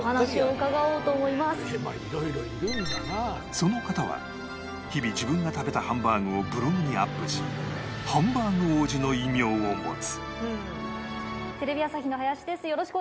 その方は日々自分が食べたハンバーグをブログにアップし「ハンバーグ王子」の異名を持つ